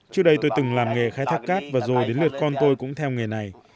trước đây tôi từng làm nghề khai thác cát và rồi đến lượt con tôi cũng theo nghề này